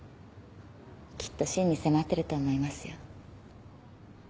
きっと真に迫ってると思いますよ。